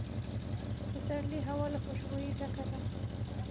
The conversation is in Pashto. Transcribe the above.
د پسرلي هوا له خوشبویۍ ډکه ده.